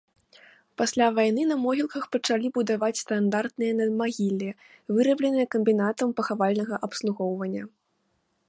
Пасля вайны на могілках пачалі будаваць стандартныя надмагіллі, вырабленыя камбінатам пахавальнага абслугоўвання.